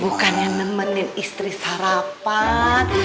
bukannya nemenin istri sarapan